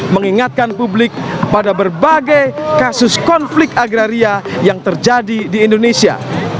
mengingatkan publik pada berbagai kasus konflik agraria yang terjadi di indonesia